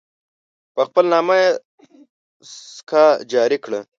په خپل نامه یې سکه جاري کړه.